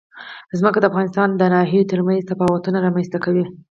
ځمکه د افغانستان د ناحیو ترمنځ تفاوتونه رامنځ ته کوي.